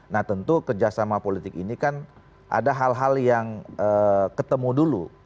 nah tentu kerjasama politik ini kan ada hal hal yang ketemu dulu